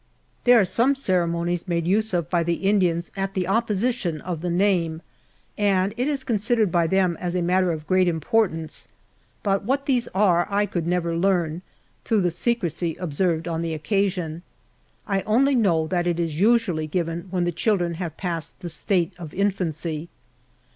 There are some ceremonies made use of by the Indians at the opposition of the name, and it is considered by them as a matter of great importance but what these are I could never learn, through the secrecy observed on the occasion. I only know that it is usually givori when the children have passed the state of infancy.